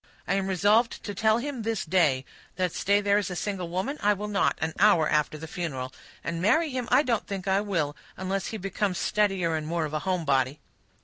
I am resolved to tell him this day, that stay there a single woman, I will not an hour after the funeral; and marry him I don't think I will, unless he becomes steadier and more of a home body."